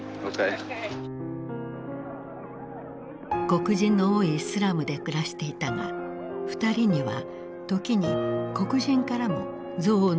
黒人の多いスラムで暮らしていたが二人には時に黒人からも憎悪の目が向けられていた。